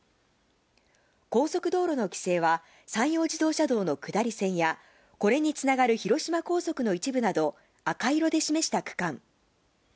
高速道路の規制は、山陽自動車道の下り線や、これにつながる広島高速の一部など、赤色で示した区間。